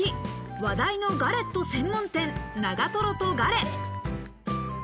話題のガレット専門店・長瀞とガレ。